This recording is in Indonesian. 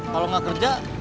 kalau gak kerja